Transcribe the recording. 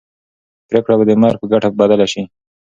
پرېکړه به د مرګ په ګټه بدله شي.